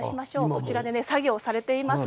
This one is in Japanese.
こちらで作業されています。